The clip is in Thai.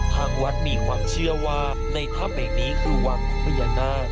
ทางวัดมีความเชื่อว่าในถ้ำแห่งนี้คือวังของพญานาค